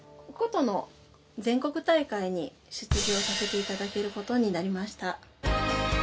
琴の全国大会に出場させていただけることになりました。